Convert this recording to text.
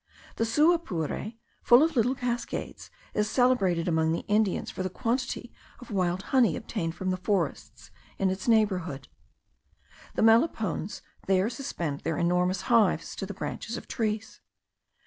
The Suapure, full of little cascades, is celebrated among the Indians for the quantity of wild honey obtained from the forests in its neighbourhood. The melipones there suspend their enormous hives to the branches of trees.